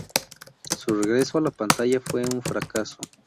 Su regreso a la pantalla fue un fracaso.